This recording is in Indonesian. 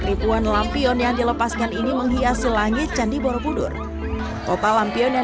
ribuan lampion yang dilepaskan ini menghiasi langit candi borobudur total lampion yang